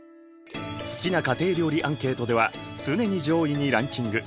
好きな家庭料理アンケートでは常に上位にランキング。